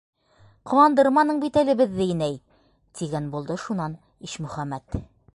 Ҡыуандырманың бит әле беҙҙе, инәй, - тигән булды шунан Ишмөхәмәт.